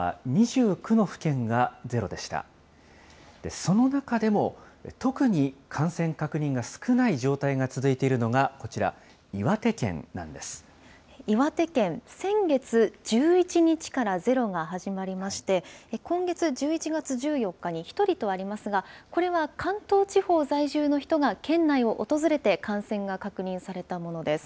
その中でも、特に感染確認が少ない状態が続いているのがこちら、岩手県なんで岩手県、先月１１日からゼロが始まりまして、今月１１月１４日に１人とありますが、これは関東地方在住の人が県内を訪れて感染が確認されたものです。